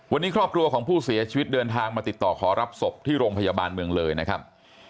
วันนี้ครอบครัวของผู้เสียชีวิตเดินทางมาติดต่อขอรับศพที่โรงพยาบาลเมืองเลยนะครับ